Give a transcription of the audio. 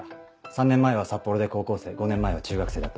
３年前は札幌で高校生５年前は中学生だった。